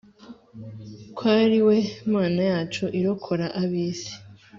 kw ari we mana yacu irokor' ab'isi.